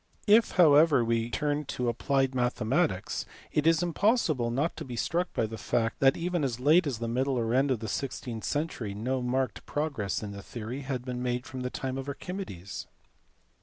If how ever we turn to applied mathematics it is impossible not to be struck by the fact that even as late as the middle or end of the sixteenth century no marked progress in the theory had been made from the time of Archimedes.